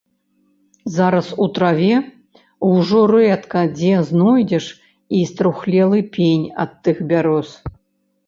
Зараз у траве ўжо рэдка дзе знойдзеш і струхлелы пень ад тых бяроз.